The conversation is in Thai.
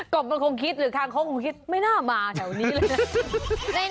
บมันคงคิดหรือคางคงคิดไม่น่ามาแถวนี้เลยนะ